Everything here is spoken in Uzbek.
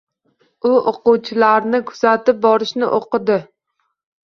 U oʻquvchilarni kuzatib borishini oʻqidim.